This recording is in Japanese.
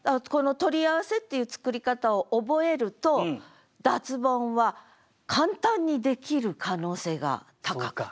「取り合わせ」っていう作り方を覚えると脱ボンは簡単にできる可能性が高くなる。